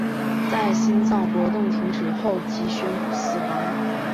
在心脏活动停止后即宣布死亡。